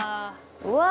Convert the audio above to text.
うわ！